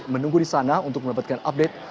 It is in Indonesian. menunggu di sana untuk mendapatkan update